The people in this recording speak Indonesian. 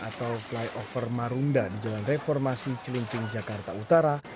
atau flyover marunda di jalan reformasi celincing jakarta utara